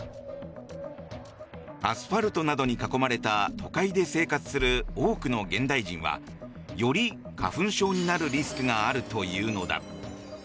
アスファルトなどに囲まれた都会で生活する多くの現代人はより花粉症になるリスクがあるというのだ。